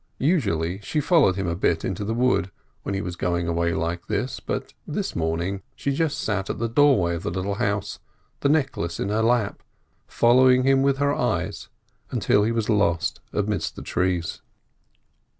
Usually she followed him a bit into the wood when he was going away like this, but this morning she just sat at the doorway of the little house, the necklace in her lap, following him with her eyes until he was lost amidst the trees.